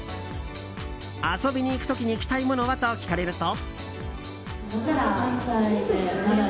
遊びに行く時に着たいものは？と聞かれると。